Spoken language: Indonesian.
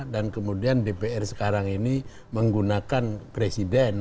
dan kemudian dpr sekarang ini menggunakan presiden